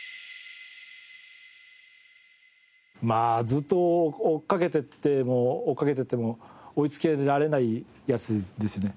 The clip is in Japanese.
まあずっと追っかけていっても追っかけていっても追いつけられない奴ですね。